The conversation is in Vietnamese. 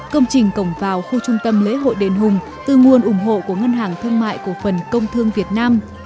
công trình cổng vào khu trung tâm lễ hội đền hùng từ nguồn ủng hộ của ngân hàng thương mại cổ phần công thương việt nam